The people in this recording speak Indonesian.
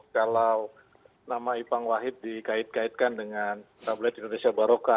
kalau nama ipang wahid dikait kaitkan dengan tablet indonesia baroka